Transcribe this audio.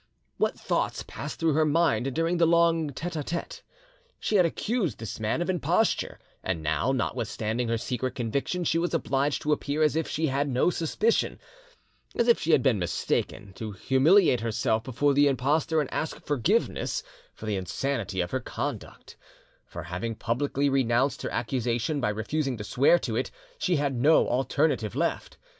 What thoughts passed through her mind during the long 'tete a tete'? She had accused this man of imposture, and now, notwithstanding her secret conviction, she was obliged to appear as if she had no suspicion, as if she had been mistaken, to humiliate herself before the impostor, and ask forgiveness for the insanity of her conduct; for, having publicly renounced her accusation by refusing to swear to it, she had no alternative left.